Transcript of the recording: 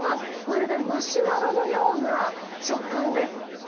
まるでマシュマロのような食感です。